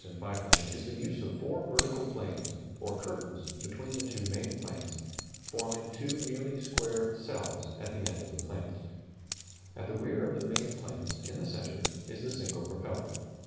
] A distinctive feature of the Voisin biplane is the use of four vertical planes, or curtains, between the two main planes, forming two nearly square "cells" at the ends of the planes. At the rear of the main planes, in the centre, is the single propeller.